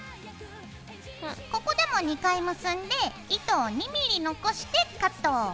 ここでも２回結んで糸を２ｍｍ残してカット。